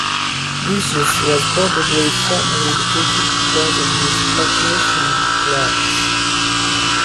Lucius was probably formally educated because of his patrician class.